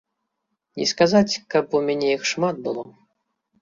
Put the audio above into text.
Не сказаць, каб у мяне іх шмат было.